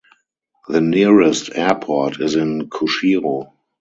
The nearest airport is in Kushiro.